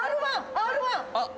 Ｒ−１！